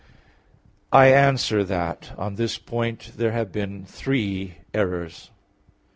I answer that, On this point there have been three errors.